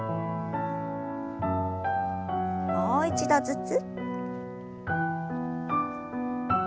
もう一度ずつ。